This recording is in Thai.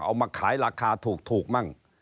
เอามาขายราคาถูกมั่ง